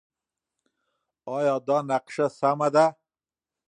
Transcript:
ایا دا نقشه سمه ده؟